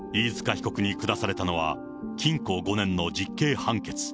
被告に下されたのは、禁錮５年の実刑判決。